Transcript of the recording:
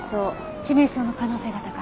致命傷の可能性が高い。